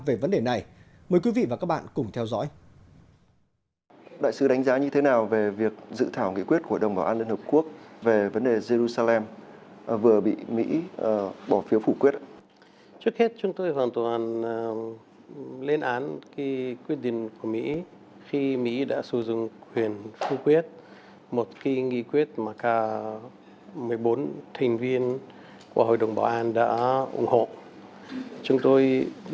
về vấn đề này mời quý vị và các bạn cùng theo dõi